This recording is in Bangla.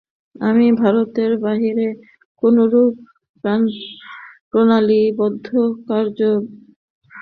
আমি ভারতের বাহিরে কোনরূপ প্রণালীবদ্ধ কার্য বা সভাসমিতি করিতে ইচ্ছা করি না।